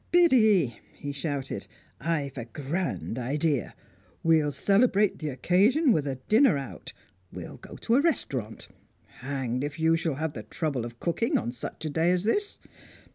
"Biddy!" he shouted, "I've a grand idea! We'll celebrate the occasion with a dinner out; we'll go to a restaurant. Hanged if you shall have the trouble of cooking on such a day as this!